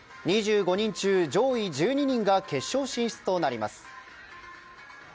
２５人中上位１０人が決勝進出となります。